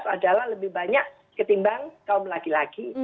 adalah lebih banyak ketimbang kaum laki laki